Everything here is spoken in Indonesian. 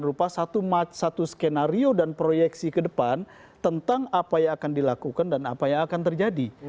berupa satu skenario dan proyeksi ke depan tentang apa yang akan dilakukan dan apa yang akan terjadi